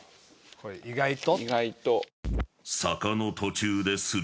これ意外と。